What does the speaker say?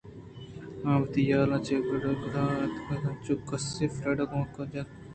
آ وتی حیالاں چہ گُڑا ِت اِنت انچوش کہ کسے فریڈا ءَ گوانک جنگ ءَ اِنت